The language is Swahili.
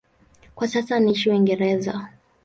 Kwa sasa anaishi Uingereza.